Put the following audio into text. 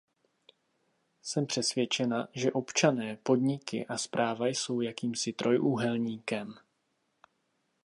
Jsem přesvědčena, že občané, podniky a správa jsou jakýmsi trojúhelníkem.